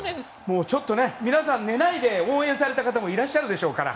ちょっと皆さん寝ないで応援された方もいらっしゃるでしょうから。